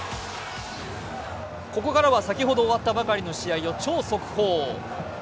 ここからは先ほど終わったばかりの試合を超速報。